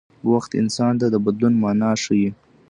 وخت انسان ته د بدلون مانا ښيي.